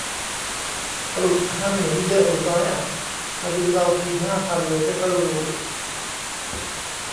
สรุปห้าหมื่นนี่เยอะหรือน้อยอะ พอดีเลาทีมห้าพันเลยไม่ค่อยรู้